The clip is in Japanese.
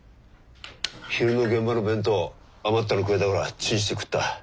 昼の現場の弁当余ったのくれたからチンして食った。